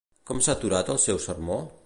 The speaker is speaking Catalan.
Com s'ha aturat el seu sermó?